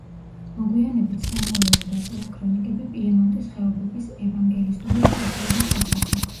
მოგვიანებით სამუელმა დაწერა ქრონიკები პიემონტის ხეობების ევანგელისტური ეკლესიების შესახებ.